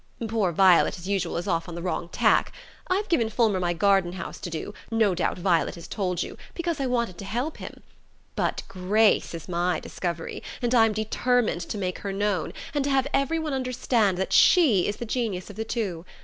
Poor Violet, as usual, is off on the wrong tack. I've given Fulmer my garden house to do no doubt Violet told you because I wanted to help him. But Grace is my discovery, and I'm determined to make her known, and to have every one understand that she is the genius of the two.